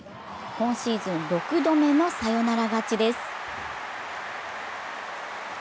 今シーズン６度目のサヨナラ勝ちです。